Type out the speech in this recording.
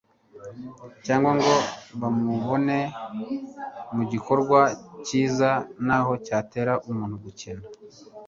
cyangwa ngo bamubonere mu gikorwa cyiza naho cyatera umuntu gukena,